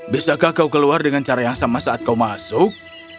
bisakah kau keluar dengan cara yang sama saat kau masuk